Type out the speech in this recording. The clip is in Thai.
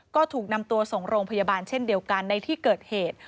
ก็ถูกนำตัวส่งโรงพยาบาลเช่นเดียวกันในที่เกิดเหตุ